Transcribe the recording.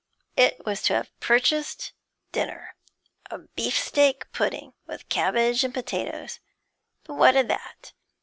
It was to have purchased dinner, a beefsteak pudding, with cabbage and potatoes; but what o' that?